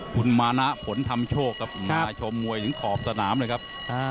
คุณมานะผลทำโชคครับมาชมมวยถึงขอบสนามเลยครับ